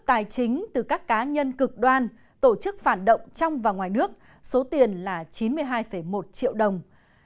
tài chính từ các cá nhân cực đoan tổ chức phản động trong và ngoài nước số tiền là chín mươi hai một triệu đồng